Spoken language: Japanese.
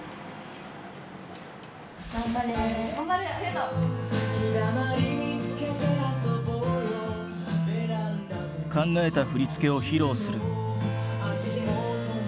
考えた振り付けを披露する。